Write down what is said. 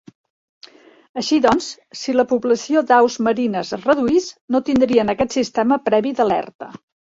Així doncs, si la població d'aus marines es reduís, no tindrien aquest sistema previ d'alerta.